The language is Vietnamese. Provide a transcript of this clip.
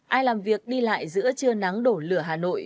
ai làm việc đi lại giữa trưa nắng đổ lửa hà nội